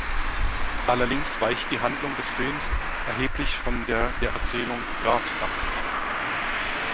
Allerdings weicht die Handlung des Films erheblich von der der Erzählung Grafs ab.